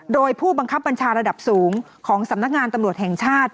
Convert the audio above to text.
โดยผู้บังคับบัญชาระดับสูงของสำนักงานตำรวจแห่งชาติ